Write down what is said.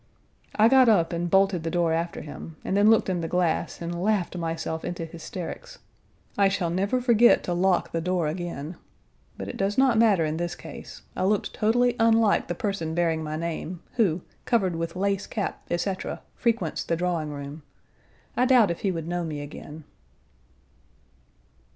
I got up and bolted the door after him, and then looked in the glass and laughed myself into hysterics. I shall never forget to lock the door again. But it does not matter in this case. I looked totally unlike the person bearing my name, who, covered with lace cap, etc., frequents the drawing room. I doubt if he would know me again.